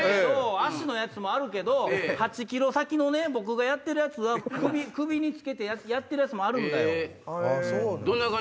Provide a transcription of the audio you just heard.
足のやつもあるけど８ｋｍ先の僕がやってるやつは首に付けてやってるやつもあるんだよ。